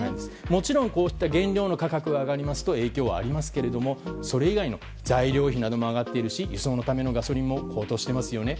もちろん、こうした原料の価格が上がりますと影響はありますけれどもそれ以外の材料費なども上がっていますし輸送のためのガソリンも高騰していますよね。